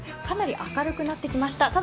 かなり明るくなってきました。